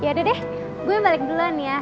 yaudah deh gue balik dulu nih ya